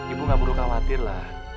ibu gak perlu khawatir lah